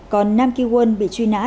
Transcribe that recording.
còn nam ki won bị truy nã